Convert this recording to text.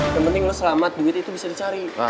yang penting lo selamat duit itu bisa dicari